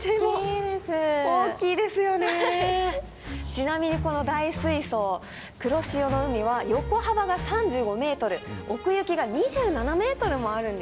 ちなみにこの大水槽「黒潮の海」は横幅が３５ｍ奥行きが２７ｍもあるんですね。